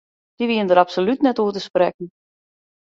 Dy wienen dêr absolút net oer te sprekken.